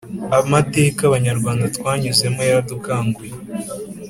Amateka abanyarwanda twanyuzemo yaradukanguye